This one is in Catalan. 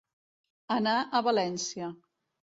Anar a València.